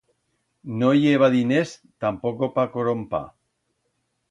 No i heba diners tampoco pa crompar.